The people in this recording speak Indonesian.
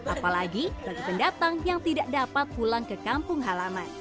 apalagi bagi pendatang yang tidak dapat pulang ke kampung halaman